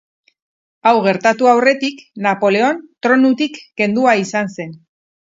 Hau gertatu aurretik, Napoleon tronutik kendua izan zen.